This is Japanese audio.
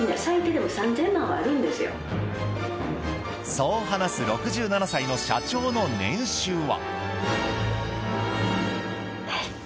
そう話す６７歳の社長の年収は。